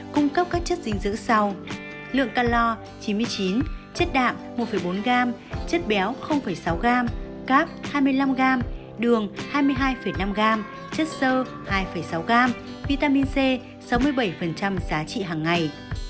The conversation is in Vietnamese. cung cấp các chất dính dữ sau lượng calor chín mươi chín chất đạm một bốn g chất béo sáu g cáp hai mươi năm g đường hai mươi hai năm g chất sơ hai sáu g vitamin c sáu mươi bảy giá trị hằng ngày